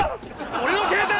俺の携帯！